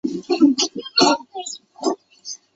丁忧去职。